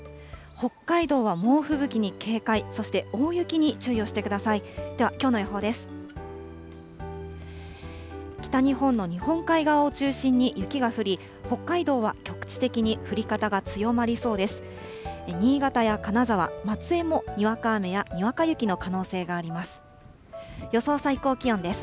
北日本の日本海側を中心に雪が降り、北海道は局地的に降り方が強まりそうです。